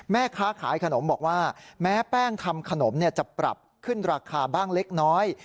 แม่ค้าขายขนมบอกว่าแม้แป้งทำขนมจะปรับขึ้นราคาบ้างเล็กน้อย